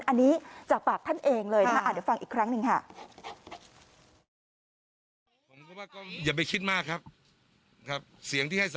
อันนี้จากปากท่านเองเลยค่ะ